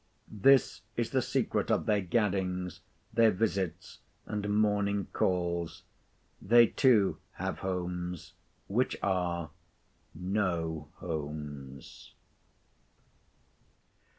This is the secret of their gaddings, their visits, and morning calls. They too have homes, which are—no homes.